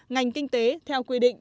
ngành kinh tế theo quy định